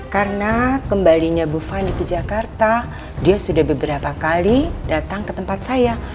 karena kembalinya bu fani ke jakarta dia sudah beberapa kali datang ke tempat saya